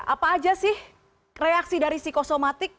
apa aja sih reaksi dari psikosomatik